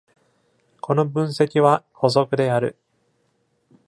この分析は補足である。